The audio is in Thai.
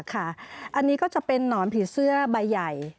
อันนี้ก็จะเป็นนอนผีเสื้อใบใหญ่